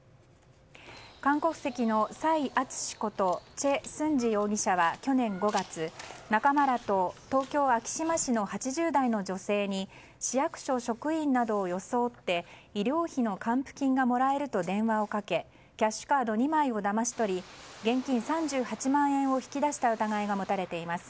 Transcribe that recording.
韓国籍のサイ・アツシことチェ・スンジ容疑者は去年５月仲間らと東京・昭島市の８０代の女性に市役所職員などを装って医療費の還付金がもらえると電話をかけ、キャッシュカード２枚をだまし取り現金３８万円を引き出した疑いが持たれています。